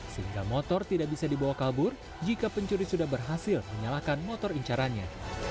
sehingga motor tidak bisa dibawa kabur jika pencuri sudah berhasil menyalakan motor incarannya